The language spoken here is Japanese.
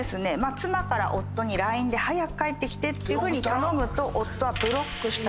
妻から夫にＬＩＮＥで「早く帰ってきて」って頼むと夫はブロックしたんです。